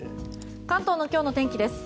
関東の今日の天気です。